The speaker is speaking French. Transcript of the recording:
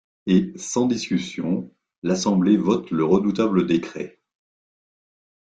Et, sans discussion, l'Assemblée vote le redoutable décret.